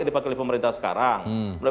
yang dipakai oleh pemerintah sekarang